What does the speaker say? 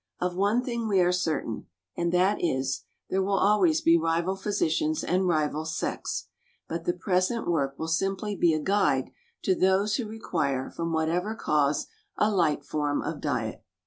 Of one thing we are certain, and that is, there will always be rival physicians and rival sects; but the present work will simply be a guide to those who require, from whatever cause, a light form of diet.